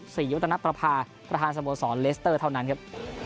ศรีวัตนประพาประธานสโมสรเลสเตอร์เท่านั้นครับ